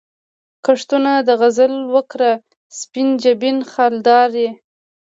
کښتونه د غزل وکره، سپین جبین خالدارې